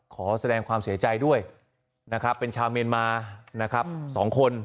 ขอแสดงความเสียใจด้วยนะครับเป็นชาวเมียนมานะครับ๒คน